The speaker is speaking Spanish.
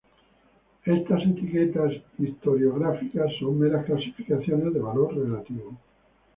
Estas etiquetas historiográficas son meras clasificaciones de valor relativo.